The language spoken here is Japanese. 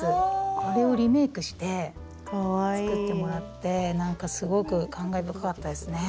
あれをリメークして作ってもらってなんかすごく感慨深かったですね。